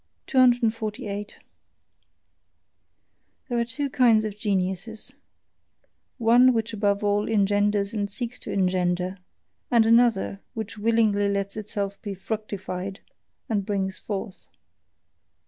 248. There are two kinds of geniuses: one which above all engenders and seeks to engender, and another which willingly lets itself be fructified and brings forth.